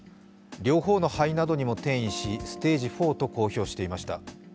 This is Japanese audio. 両方の肺などにも転移し、ステージ４と公表していました。